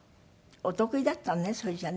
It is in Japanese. お得意だったのねそれじゃあね。